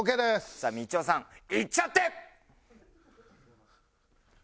さあみちおさんいっちゃって！